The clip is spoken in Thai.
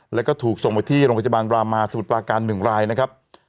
แล้วก็ถูกส่งไปที่โรงพยาบาลรามาสมุทรปราการ๑รายนะครับ